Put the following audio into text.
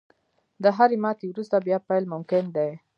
• د هرې ماتې وروسته، بیا پیل ممکن دی.